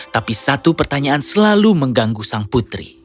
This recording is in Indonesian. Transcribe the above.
tapi satu pertanyaan selalu mengganggu sang putri